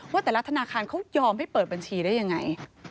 ว่าแต่ละธนาคารเขายอมให้เปิดบัญชีได้ยังไง